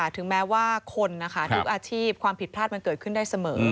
ถึงแม้ว่าคนนะคะทุกอาชีพความผิดพลาดมันเกิดขึ้นได้เสมอ